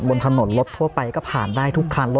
บนถนนรถทั่วไปก็ผ่านได้ทุกคัน